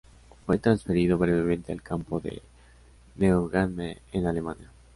Fue transferido brevemente al campo de Neuengamme en Alemania.